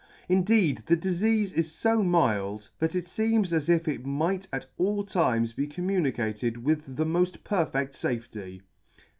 Indeed the difeafe is fo mild, that it feems as if it might at all times be communicated with the molt perfedt fafety."'